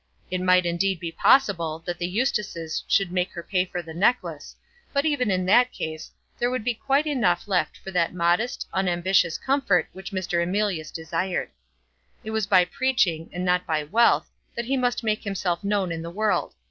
It might indeed be possible that the Eustaces should make her pay for the necklace; but even in that case, there would be quite enough left for that modest, unambitious comfort which Mr. Emilius desired. It was by preaching, and not by wealth, that he must make himself known in the world!